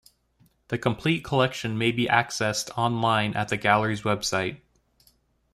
The complete collection may be accessed online at the Gallery's website.